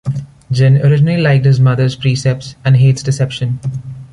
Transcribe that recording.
Jin originally liked his mother's precepts and hates deception.